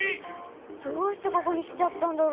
どうしてここにきちゃったんだろ？